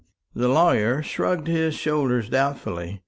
The lawyer shrugged his shoulders doubtfully.